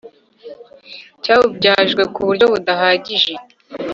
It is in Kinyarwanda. Cyawubyajwe ku buryo budahagije